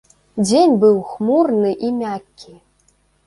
Дзень быў хмурны і мяккі.